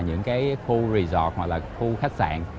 những khu resort hoặc là khu khách sạn